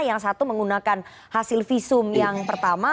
yang satu menggunakan hasil visum yang pertama